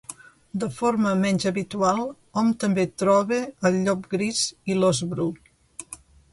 De forma menys habitual hom també troba el llop gris i l'ós bru.